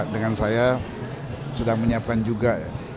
dengan saya sedang menyiapkan juga ya